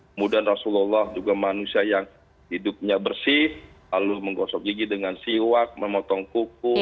kemudian rasulullah juga manusia yang hidupnya bersih lalu menggosok gigi dengan siwak memotong kuku